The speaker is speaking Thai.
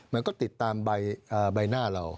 มันก็ติดตามใบหน้าเรา